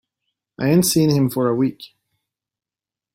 I ain't seen him for a week.